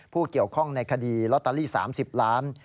ผู้เกี่ยวข้องในคดีลอตเตอรี่๓๐ล้าน